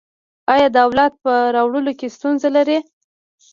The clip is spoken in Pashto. ایا د اولاد په راوړلو کې ستونزه لرئ؟